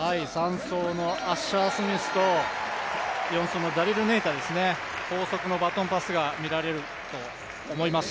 ３走のアッシャー・スミスと４走のダリル・ネイタ、高速のバトンパスが見られると思います。